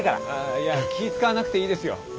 いや気ぃ使わなくていいですよ。